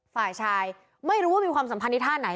ฝ่ายชายไม่รู้ว่ามีความสัมพันธ์ที่ท่าไหน